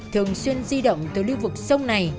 thường xuyên di động từ lưu vực sông này